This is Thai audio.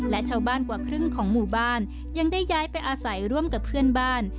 และชาวบ้านกว่าครึ่งของหมู่บ้านยังได้ย้ายไปอาศัยร่วมกับเพื่อนบ้าน